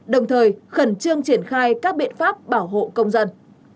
đồng thời khẩn trương triển khai các biện pháp bảo hộ công dân